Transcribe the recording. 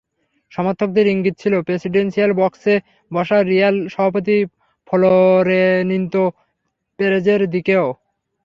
সমর্থকদের ইঙ্গিত ছিল প্রেসিডেন্সিয়াল বক্সে বসা রিয়াল সভাপতি ফ্লোরেন্তিনো পেরেজের দিকেও।